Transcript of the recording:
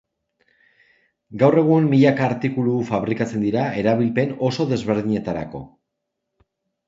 Gaur egun milaka artikulu fabrikatzen dira erabilpen oso desberdinetarako.